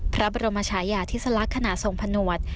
พระบรมชาญญาทฤษลักษณ์ขณะส่งพาหนวด